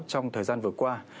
trong thời gian vừa qua